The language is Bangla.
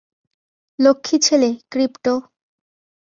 লক্ষ্মী ছেলে, ক্রিপ্টো।